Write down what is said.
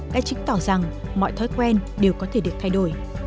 đã chứng tỏ rằng mọi thói quen đều có thể được thay đổi